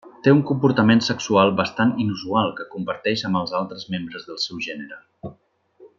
Té un comportament sexual bastant inusual que comparteix amb els altres membres del seu gènere.